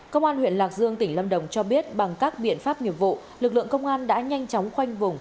công an huyện lạc dương tỉnh lâm đồng cho biết bằng các biện pháp nghiệp vụ lực lượng công an đã nhanh chóng khoanh vùng